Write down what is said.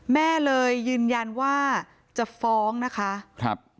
แม่เลยยืนยันว่าจะฟ้องนะคะครับ